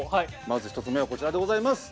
まず１つ目はこちらでございます。